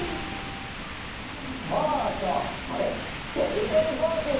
そうそうこれてるてるぼうず！